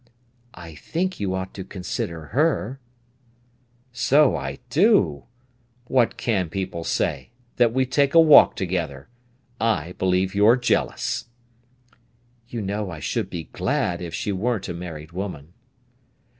"I think you ought to consider her." "So I do! What can people say?—that we take a walk together. I believe you're jealous." "You know I should be glad if she weren't a married woman."